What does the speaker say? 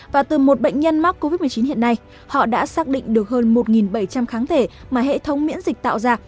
và từ một bệnh nhân mắc covid một mươi chín hiện nay họ đã xác định được hơn một bảy trăm linh kháng thể mà hệ thống miễn dịch tạo ra